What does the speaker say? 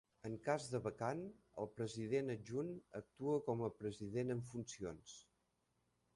En cas de vacant, el President Adjunt actua com a President en funcions.